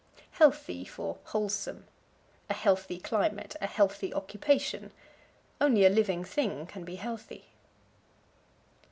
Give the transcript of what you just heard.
Healthy for Wholesome. "A healthy climate." "A healthy occupation." Only a living thing can be healthy.